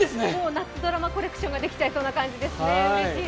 夏ドラマコレクションができてしまいそうですね。